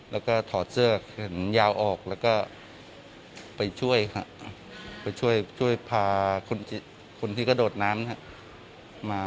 แล้วก็ถอดเสื้อแขนยาวออกแล้วก็ไปช่วยครับไปช่วยพาคนที่กระโดดน้ำมา